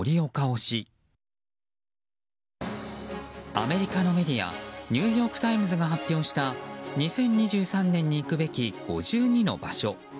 アメリカのメディアニューヨーク・タイムズが発表した２０２３年に行くべき５２の場所。